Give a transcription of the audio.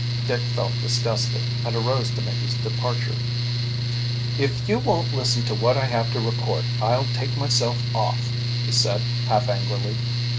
Dick felt disgusted, and arose to make his departure. "If you won't listen to what I have to report, I'll take myself off," he said half angrily.